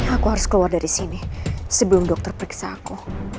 aku harus keluar dari sini sebelum dokter periksa aku